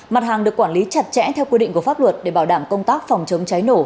mặt hàng được quản lý chặt chẽ theo quy định của pháp luật để bảo đảm công tác phòng chống cháy nổ